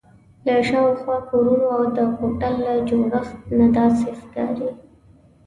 له شاوخوا کورونو او د هوټل له جوړښت نه داسې ښکاري.